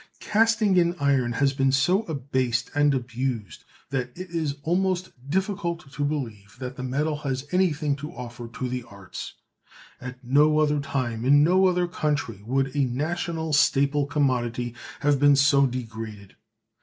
Casting in iron has been so abased and abused that it is almost difficult to believe that the metal has anything to offer to the arts. At no other time and in no other country would a national staple commodity have been so degraded.